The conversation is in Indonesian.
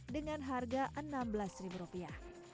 dengan harga enam belas ribu rupiah